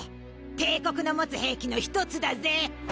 帝国の持つ兵器の一つだぜィ。